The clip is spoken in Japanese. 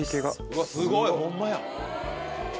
うわすごいホンマや。